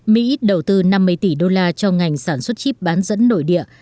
mỹ đầu tư năm mươi tỷ đô la cho ngành sản xuất chip bán dẫn nội địa